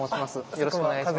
よろしくお願いします。